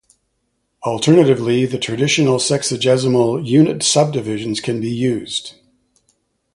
Alternatively, the traditional sexagesimal unit subdivisions can be used.